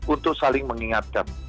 untuk saling mengingatkan